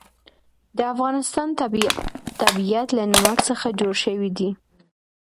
د افغانستان طبیعت له نمک څخه جوړ شوی دی.